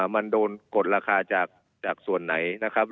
มันโดนกดราคาจากส่วนไหนนะครับ